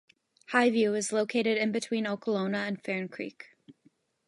Highview is located in between Okolona and Ferncreek.